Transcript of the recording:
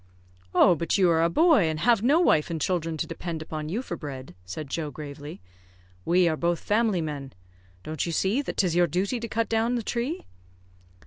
"Oh, but you are a boy, and have no wife and children to depend upon you for bread," said Joe, gravely. "We are both family men. Don't you see that 'tis your duty to cut down the tree?"